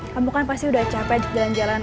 kamu kan pasti udah capek jalan jalan